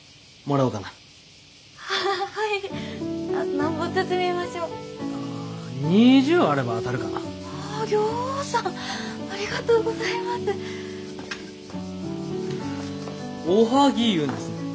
おはぎ言うんですね。